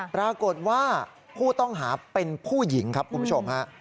ปรากฏว่าผู้ต้องหาเป็นผู้หญิงครับคุณผู้ชมฮะ